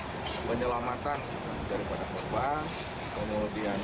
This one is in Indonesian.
kemudian pencarian daripada korban korban yang hilang